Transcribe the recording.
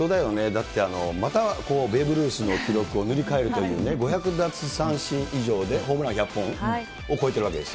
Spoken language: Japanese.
だってまた、ベーブ・ルースの記録を塗り替えるというね、５００奪三振以上でホームラン１００本を超えてるわけです。